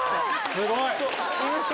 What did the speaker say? すごい！